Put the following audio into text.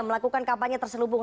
melakukan kampanye terselubung